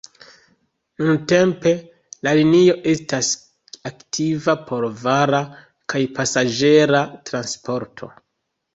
Nuntempe la linio estas aktiva por vara kaj pasaĝera transporto.